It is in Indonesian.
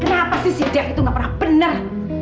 kenapa sih si dev itu nggak pernah benar